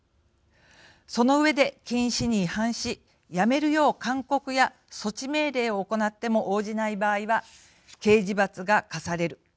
その上で、禁止に違反しやめるよう勧告や措置命令を行っても応じない場合は刑事罰が科される。